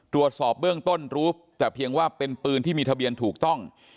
ตรวจสอบเบื้องต้นรู้แต่เพียงว่าเป็นปืนที่มีทะเบียนถูกต้อง